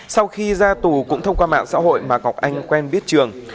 sau khi ra tù cũng thông qua mạng xã hội mà ngọc anh quen biết trường